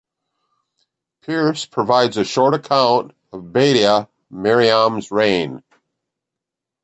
Pearce provides a short account of Baeda Maryam's reign.